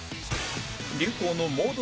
流行のモード